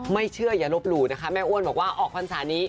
ไม่เชื่ออย่าลบหลู่นะคะแม่อ้วนบอกว่าออกพรรษานี้